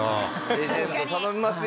レジェンド頼みますよ。